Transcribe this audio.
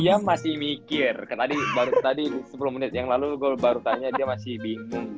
iya masih mikir tadi sepuluh menit yang lalu gua baru tanya dia masih bingung